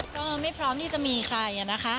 ก็ไม่พร้อมที่จะมีใครนะคะ